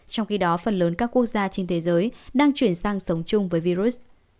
trong khi đó phần lớn các quốc gia trên thế giới đang chuyển sang sống chung với virus